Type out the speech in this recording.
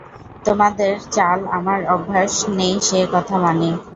তোমাদের চাল আমার অভ্যেস নেই সে কথা মানি।